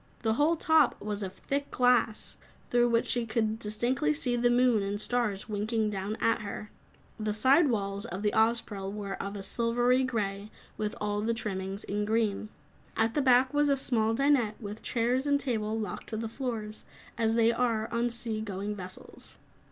The whole top was of thick glass, through which she could distinctly see the moon and stars winking down at her. The side walls of the Ozpril were of a silvery grey, with all trimmings in green. At the back was a small dinette, with chairs and table locked to the floors as they are on sea going vessels.